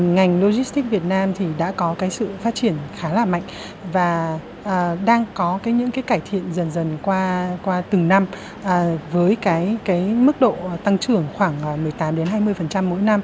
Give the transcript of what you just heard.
ngành logistics việt nam đã có sự phát triển khá là mạnh và đang có những cải thiện dần dần qua từng năm với mức độ tăng trưởng khoảng một mươi tám hai mươi mỗi năm